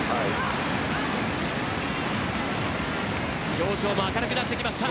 表情も明るくなってきました。